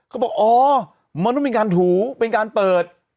เขาบอกอ๋อมันต้องเป็นการถูเป็นการเปิด